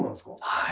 はい。